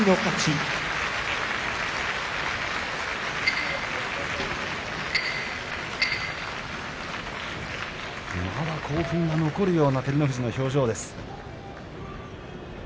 まだ興奮が残るような照ノ富士の表情です。